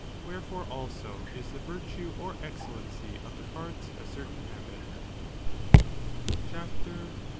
Wherefore, also, is the virtue or excellency of the parts a certain habit.^ CHAPTER XXI.